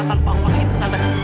tanpa uang itu tante